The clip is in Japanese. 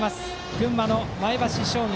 群馬の前橋商業。